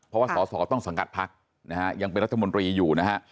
เพราะว่าสอสอต้องสังกัดพักนะฮะยังเป็นรัฐมนตรีอยู่นะฮะ